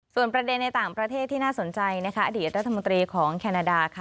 ส่วนประเด็นในต่างประเทศที่น่าสนใจนะคะอดีตรัฐมนตรีของแคนาดาค่ะ